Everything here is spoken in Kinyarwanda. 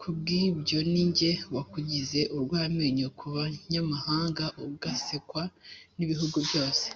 Ku bw’ibyo ni jye wakugize urw’amenyo ku banyamahanga, ugasekwa n’ibihugu byose